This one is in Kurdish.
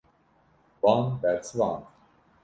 Wan bersivand.